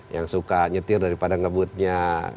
yang suka nyetir daripada ngebutnya